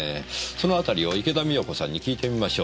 そのあたりを池田美代子さんに訊いてみましょう。